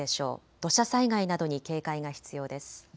土砂災害などに警戒が必要です。